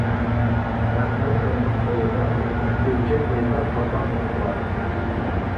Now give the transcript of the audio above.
ئەخمەتجاننىڭ قولىدا، «چۆچەك ئېيتار قاپاق» بار.